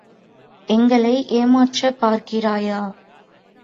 எங்களை ஏமாற்றப் பார்கிறாயா?